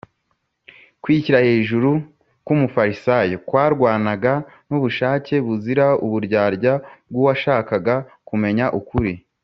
Kwishyira hejuru kw’umufarisayo kwarwanaga n’ubushake buzira uburyarya bw’uwashakaga kumenya ukuri